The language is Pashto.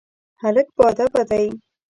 هلک باادبه دی.